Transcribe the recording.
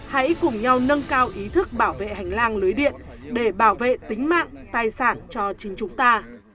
hãy cùng nhau nâng cao ý thức bảo vệ hành lang lưới điện để bảo vệ tính mạng tài sản cho chính chúng ta